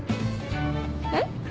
えっ？